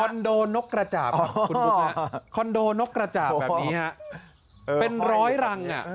คอนโดนกกระจาบคอนโดนกกระจาบแบบนี้ฮะเป็นร้อยรังอ่ะ